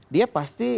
dia pasti ada